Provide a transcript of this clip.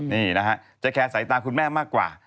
นี่นะฮะจะแคร์สายตาคุณแม่มากกว่า